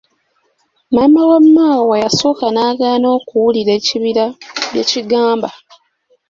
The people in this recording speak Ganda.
Maama wa Maawa yasooka n'agaana okuwulira ekibira byekigamba